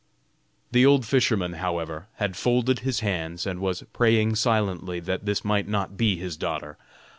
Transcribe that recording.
The old fisherman, however, had folded his hands, and was praying silently that this might not be his daughter.